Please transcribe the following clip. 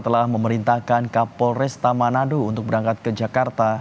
telah memerintahkan kapolresta manado untuk berangkat ke jakarta